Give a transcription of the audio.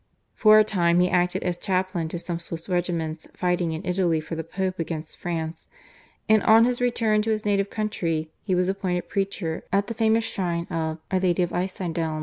For a time he acted as chaplain to some Swiss regiments fighting in Italy for the Pope against France, and on his return to his native country he was appointed preacher at the famous shrine of Our Lady at Einsiedeln.